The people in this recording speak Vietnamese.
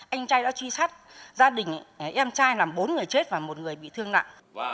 anh trai đã truy sát gia đình em trai làm bốn người chết và một người bị thương nặng